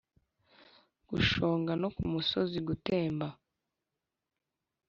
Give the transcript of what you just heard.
gushonga no kumusozi gutemba